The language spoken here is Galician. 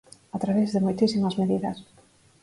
A través de moitísimas medidas.